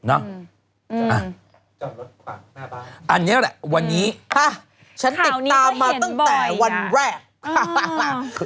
อันนี้แหละวันนี้ค่ะฉันติดตามมาตั้งแต่วันแรกค่ะ